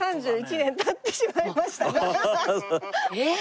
えっ？